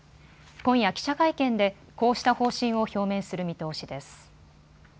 今夜、記者会見でこうした方針を表明する見通しです。